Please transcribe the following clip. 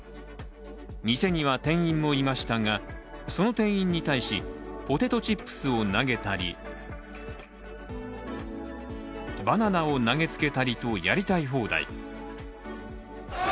店には店員もいましたが、その店員に対しポテトチップスを投げたりバナナを投げつけたりと、やりたい放題。